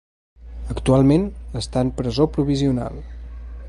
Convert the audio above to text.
Actualment està en presó provisional.